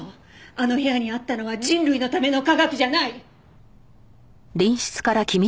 あの部屋にあったのは人類のための科学じゃない！